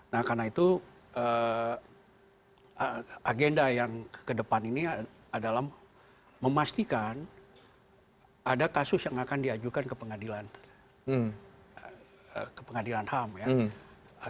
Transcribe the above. nah karena itu agenda yang kedepan ini adalah memastikan ada kasus yang akan diajukan ke pengadilan ke pengadilan ham ya